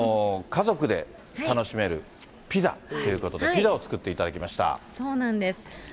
家族で楽しめるピザということで、ピザを作っていただきましそうなんです。